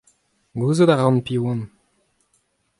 Gouzout a ran piv on.